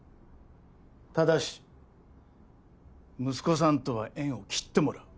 ただし息子さんとは縁を切ってもらう。